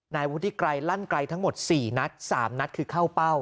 นายวุฒิไกรลั่นไกลทั้งหมด๔นัด๓นัดคือเข้าเป้า